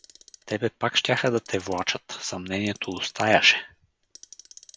Тебе пак щяха да те влачат, съмнението остаяше.